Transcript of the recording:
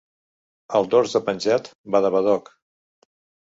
Al dors de penjat, badabadoc.